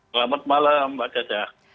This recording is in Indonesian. selamat malam mbak jadah